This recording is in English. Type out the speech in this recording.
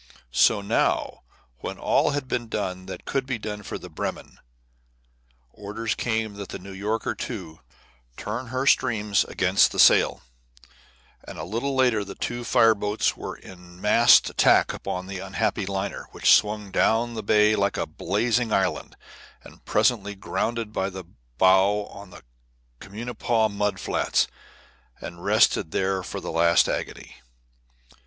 So, now, when all had been done that could be for the Bremen, orders came that the New Yorker, too, turn her streams against the Saale, and a little later the two fire boats were in massed attack upon the unhappy liner, which swung down the bay like a blazing island, and presently grounded by the bow on the Communipaw mud flats, and rested there for the last agony.